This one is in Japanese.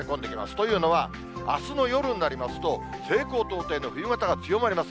というのは、あすの夜になりますと、西高東低の冬型が強まります。